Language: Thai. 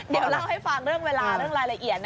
เดี๋ยวเล่าให้ฟังเรื่องเวลาเรื่องรายละเอียดนะ